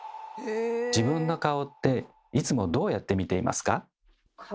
自分の顔っていつもどうやって見ていますか？